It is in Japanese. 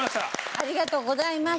ありがとうございます。